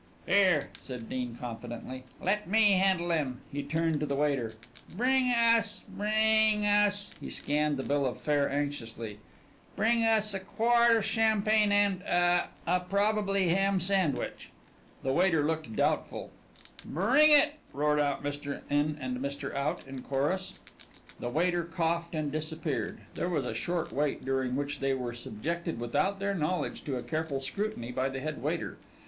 "Here!" said Dean confidently, "let me handle him." He turned to the waiter "Bring us bring us " he scanned the bill of fare anxiously. "Bring us a quart of champagne and a a probably ham sandwich." The waiter looked doubtful. "Bring it!" roared Mr. In and Mr. Out in chorus. The waiter coughed and disappeared. There was a short wait during which they were subjected without their knowledge to a careful scrutiny by the head waiter.